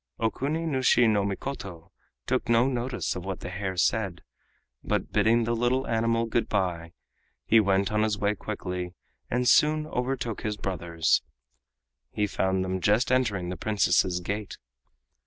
Okuni nushi no Mikoto took no notice of what the hare said, but bidding the little animal goodby, went on his way quickly and soon overtook his brothers. He found them just entering the Princess's gate.